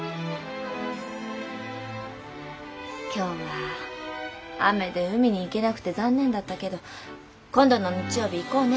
今日は雨で海に行けなくて残念だったけど今度の日曜日行こうね。